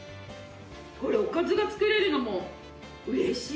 これおかずが作れるのも嬉しい。